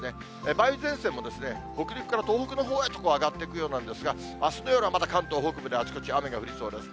梅雨前線も北陸から東北のほうへと上がっていくようなんですが、あすの夜はまだ関東北部ではあちこち雨が降りそうです。